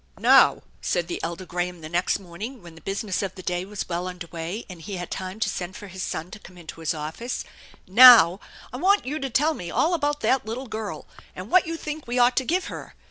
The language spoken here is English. "Now," said the elder Graham the next morning, when the business of the day was well under way and he had time to send for his son to come into his office, " now, I want you to tell me all about that little girl, and what you think we ought to give her.